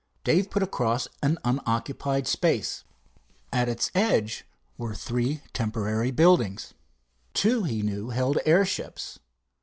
Dave put across an unoccupied space. At its edge were three temporary buildings. Two he knew held airships.